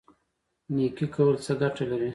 نیکي کول څه ګټه لري؟